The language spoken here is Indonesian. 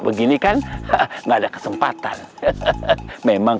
begini kan nggak ada kesempatan memang